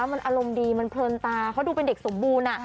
มันอารมณ์ดีมันเพลินตาเขาดูเป็นเด็กสมบูรณ์